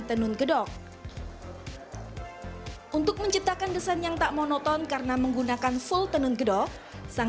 tenun gedok untuk menciptakan desain yang tak monoton karena menggunakan full tenun gedok sang